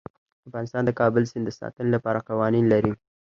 افغانستان د کابل سیند د ساتنې لپاره قوانین لري.